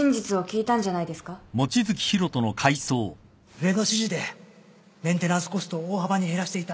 上の指示でメンテナンスコストを大幅に減らしていた